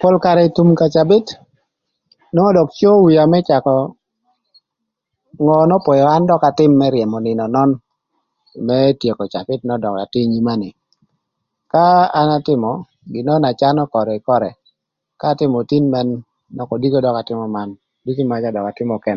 Pol karë thum ka cabït nwongo dök coo wia më cakö ngö n'öpwöyö an dök atïm më ryëmö nïnö nön më tyeko cabït nön dök na tye inyima ni. Ka an atïmö gin nön na calo körë kï körë ka atïmö tin man nök kodiko dök atïmö man diki maca dök atïmö nökënë.